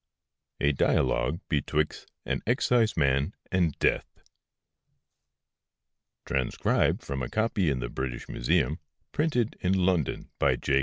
A DIALOGUE BETWIXT AN EXCISEMAN AND DEATH. [TRANSCRIBED from a copy in the British Museum, printed in London by J.